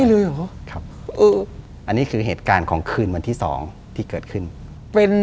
เป๊ะเป๊ะเป๊ะเป๊ะเป๊ะเป๊ะเป๊ะเป๊ะเป๊ะเป๊ะเป๊ะเป๊ะเป๊ะเป๊ะเป๊ะเป๊ะ